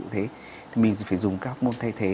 thế mình sẽ phải dùng cái hormone thay thế